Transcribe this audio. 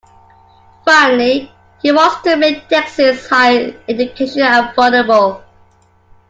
Finally, he wants to make Texas higher education affordable.